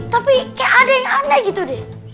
tapi kayak ada yang aneh gitu deh